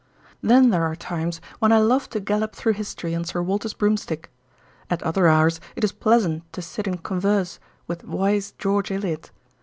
Then there are times when I love to gallop through history on Sir Walter's broomstick. At other hours it is pleasant to sit in converse with wise George Eliot.